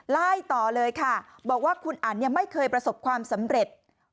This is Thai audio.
ไล่ต่อเลยค่ะบอกว่าคุณอันไม่เคยประสบความสำเร็จ